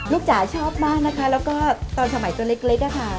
จ๋าชอบมากนะคะแล้วก็ตอนสมัยตัวเล็กอะค่ะ